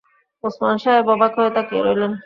ওসমান সাহেব অবাক হয়ে তাকিয়ে রইলেন।